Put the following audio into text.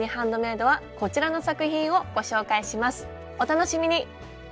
お楽しみに！